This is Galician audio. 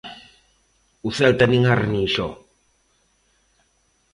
O Celta nin arre nin xo!